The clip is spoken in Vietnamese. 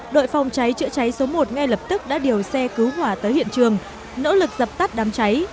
đội phòng cháy chữa cháy số một ngay lập tức đã điều xe cứu hỏa tới hiện trường nỗ lực dập tắt đám cháy